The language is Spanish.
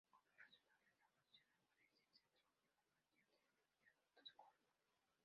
Como resultado de esta fusión aparece el Centro de formación de Adultos Gordon.